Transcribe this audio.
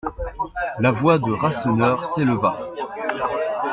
La voix de Rasseneur s'éleva.